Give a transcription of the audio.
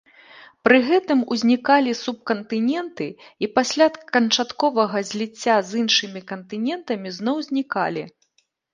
Пры гэтым узнікалі субкантыненты і пасля канчатковага зліцця з іншымі кантынентамі зноў знікалі.